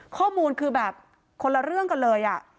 ข้อมูลคือแบบคนละเรื่องกันเลย